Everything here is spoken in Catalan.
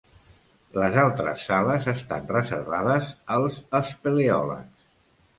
Les altres sales estan reservades als espeleòlegs.